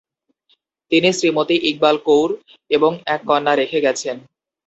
তিনি শ্রীমতী ইকবাল কৌর এবং এক কন্যা রেখে গেছেন।